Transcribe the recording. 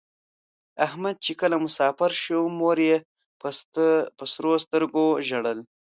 احمد چې کله مسافر شو مور یې په سرو سترگو ژړل.